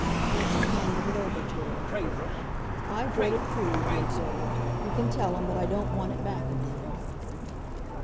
Bunting handed it over to her. "I've read it through," he observed. "You can tell him that I don't want it back again."